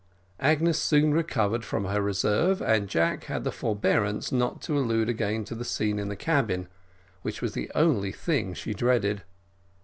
Agnes soon recovered from her reserve, and Jack had the forbearance not to allude again to the scene in the cabin, which was the only thing she dreaded.